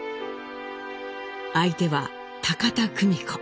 相手は田久美子。